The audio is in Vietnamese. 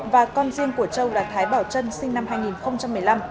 và con riêng của châu là thái bảo trân sinh năm hai nghìn một mươi năm